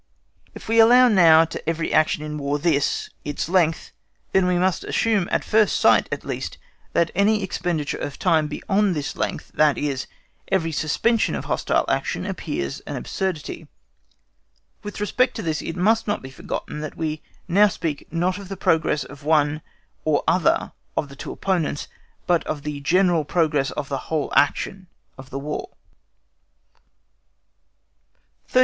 If we allow now to every action in War this, its length, then we must assume, at first sight at least, that any expenditure of time beyond this length, that is, every suspension of hostile action, appears an absurdity; with respect to this it must not be forgotten that we now speak not of the progress of one or other of the two opponents, but of the general progress of the whole action of the War.